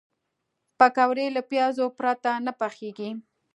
پکورې له پیازو پرته نه پخېږي